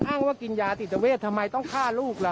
อ้างว่ากินยาติดตระเวททำไมต้องฆ่าลูกล่ะ